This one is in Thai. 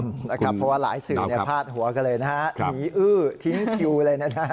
เพราะว่าหลายสื่อภาดหัวก็เลยก็หิอือทิ้งคิวเลย